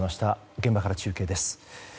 現場から中継です。